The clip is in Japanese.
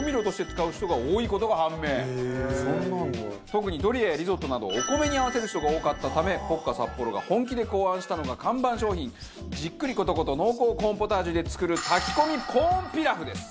特にドリアやリゾットなどお米に合わせる人が多かったためポッカサッポロが本気で考案したのが看板商品じっくりコトコト濃厚コーンポタージュで作る炊き込みコーンピラフです。